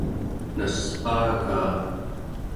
naspaagaa